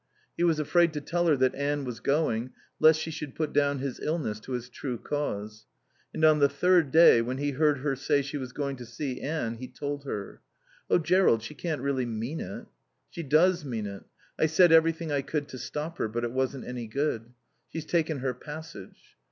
He was afraid to tell her that Anne was going lest she should put down his illness to its true cause. And on the third day, when he heard her say she was going to see Anne, he told her. "Oh, Jerrold, she can't really mean it." "She does mean it. I said everything I could to stop her, but it wasn't any good. She's taken her passage."